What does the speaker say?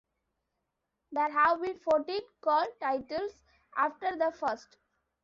There have been fourteen "Carl" titles after the first.